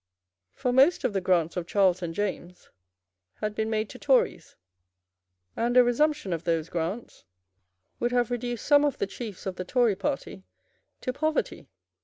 For most of the grants of Charles and James had been made to Tories; and a resumption of those grants would have reduced some of the chiefs of the Tory party to poverty.